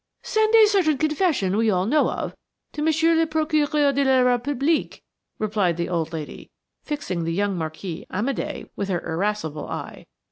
"Send a certain confession we all know of to Monsieur le Procureur de la République," replied the old lady, fixing the young Marquis Amédé with her irascible eye.